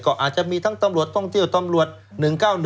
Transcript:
ก็อาจจะมีทั้งตำรวจท่องเที่ยวตำรวจ๑๙๑